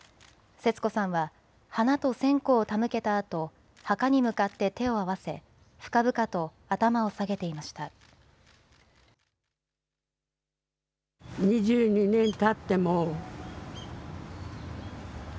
節子さんは花と線香を手向けたあと墓に向かって手を合わせ深々と頭を下げていました。